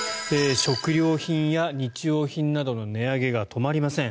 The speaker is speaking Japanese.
食料品や日用品などの値上げが止まりません。